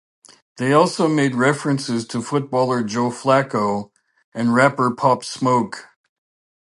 They also make references footballer Joe Flacco and rapper Pop Smoke.